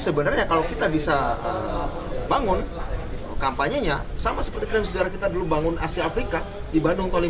sebenarnya kalau kita bisa bangun kampanyenya sama seperti klaim sejarah kita dulu bangun asia afrika di bandung tahun seribu sembilan ratus lima puluh lima